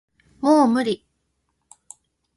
もう無理